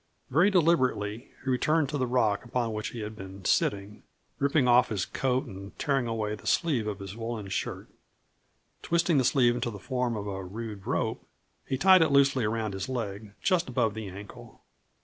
Very deliberately he returned to the rock upon which he had been sitting, ripping off his coat and tearing away the sleeve of his woollen shirt. Twisting the sleeve into the form of a rude rope, he tied it loosely around his leg, just above the ankle.